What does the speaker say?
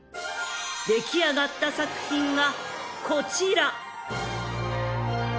［出来上がった作品がこちら］